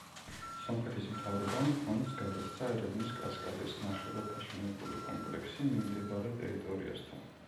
სომხეთის მთავრობამ ფონდს გადასცა ერევნის კასკადის ნახევრად აშენებული კომპლექსი მიმდებარე ტერიტორიასთან.